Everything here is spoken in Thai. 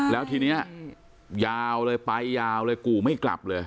แล้วทีนี้ยาวเลยไปยาวเลยกู่ไม่กลับเลย